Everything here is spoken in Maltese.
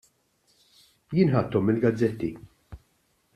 Jien ħadthom mill-gazzetti.